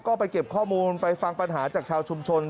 ก็ไปเก็บข้อมูลไปฟังปัญหาจากชาวชุมชน